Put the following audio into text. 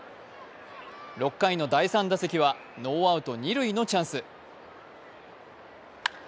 ６回の第３打席はノーアウト二塁のチャンス。